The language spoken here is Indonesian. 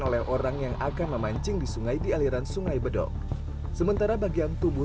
oleh orang yang akan memancing di sungai di aliran sungai bedok sementara bagian tubuh